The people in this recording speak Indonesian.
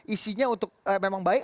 isinya untuk memang baik